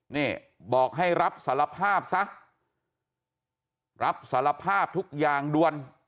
นี่บอกให้รับสารภาพซะรับสารภาพทุกอย่างด่วน